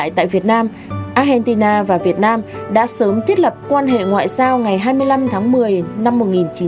và độc lập lại tại việt nam argentina và việt nam đã sớm thiết lập quan hệ ngoại giao ngày hai mươi năm tháng một mươi năm một nghìn chín trăm bảy mươi ba